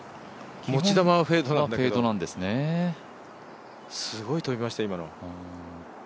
持ち球はフェードなんですけどすごい飛びましたよ、今の。